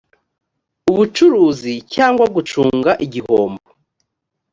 ubucuruzi cyangwa gucunga igihombo